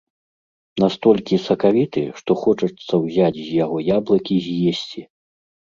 Настолькі сакавіты, што хочацца ўзяць з яго яблык і з'есці.